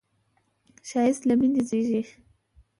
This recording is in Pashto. ښایست له مینې زېږي